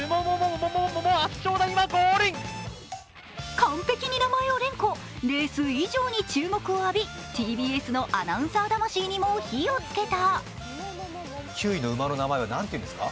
完璧に名前を連呼、レース以上に注目を浴びＴＢＳのアナウンサー魂にも火をつけた。